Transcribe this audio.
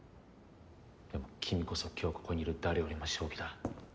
でも君こそ今日ここにいる誰よりも正気だ。